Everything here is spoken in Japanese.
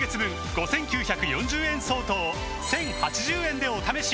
５，９４０円相当を１，０８０円でお試しいただけます